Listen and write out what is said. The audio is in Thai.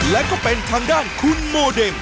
และก็เป็นทางด้านคุณโมเดม